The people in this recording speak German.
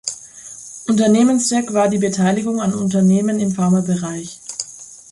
Unternehmenszweck war die Beteiligung an Unternehmen im Pharmabereich.